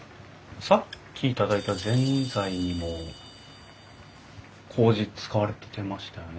さっき頂いたぜんざいにもこうじ使われてましたよね？